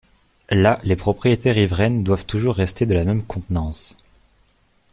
Là les propriétés riveraines doivent toujours rester de la même contenance.